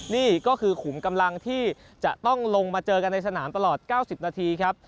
นี่ก็คือขุมกำลังที่จะต้องลงมาเจอกันในสนามตลอด๙๐นาทีครับ